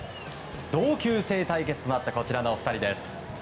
同級生対決となったこちらの２人です。